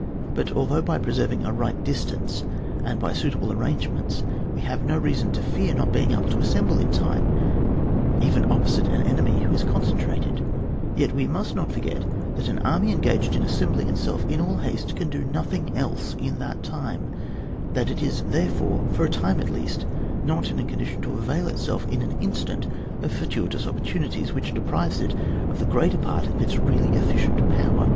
But although by preserving a right distance and by suitable arrange ments we have no reason to fear not being able to assemble in time, even op posite an enemy who is concentrated, yet we must not forget that an army engaged in assembling itself in all haste can do nothing else in that time ; that it is there fore, for a time at least, not in a con dition to avail itself in an instant of for tuitous opportunities, which deprives it of the greater part of its really efficient power.